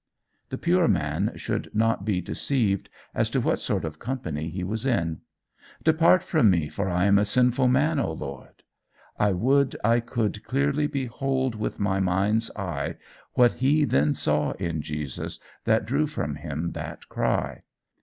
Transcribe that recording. The pure man should not be deceived as to what sort of company he was in! 'Depart from me, for I am a sinful man, O Lord!' I would I could clearly behold with my mind's eye what he then saw in Jesus that drew from him that cry!